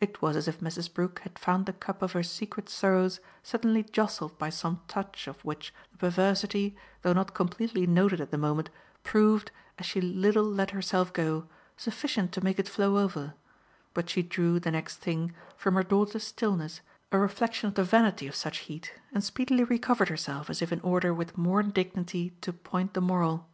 It was as if Mrs. Brook had found the cup of her secret sorrows suddenly jostled by some touch of which the perversity, though not completely noted at the moment, proved, as she a little let herself go, sufficient to make it flow over; but she drew, the next thing, from her daughter's stillness a reflexion of the vanity of such heat and speedily recovered herself as if in order with more dignity to point the moral.